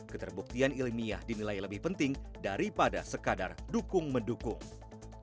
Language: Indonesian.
keterbuktian ilmiah dinilai lebih penting daripada sekadar dukung mendukung